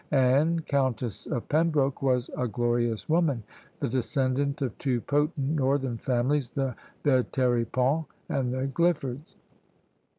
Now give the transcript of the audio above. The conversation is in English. Anne, Countess of Pembroke, was a glorious woman, the descendant of two potent northern families, the Veteriponts and the Cliffords.